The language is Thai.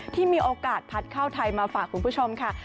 ที่มีโอกาสพัดเข้าไทยมาฝากคุณผู้ชมค่ะ